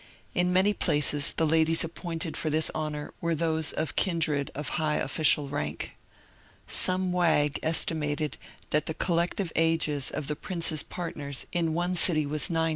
In many places the ladies appointed for this honour were those with kindred of high official rank« Some wag estimated that the collective ages of the prince's partners in one city was 900.